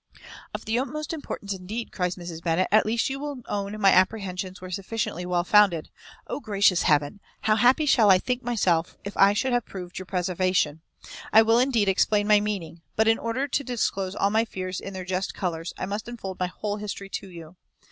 "Of the utmost importance, indeed," cries Mrs. Bennet; "at least you will own my apprehensions were sufficiently well founded. O gracious Heaven! how happy shall I think myself if I should have proved your preservation! I will, indeed, explain my meaning; but, in order to disclose all my fears in their just colours, I must unfold my whole history to you.